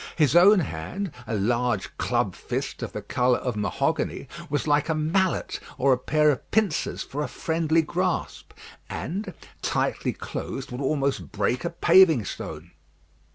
His own hand, a large club fist of the colour of mahogany, was like a mallet or a pair of pincers for a friendly grasp, and, tightly closed, would almost break a paving stone.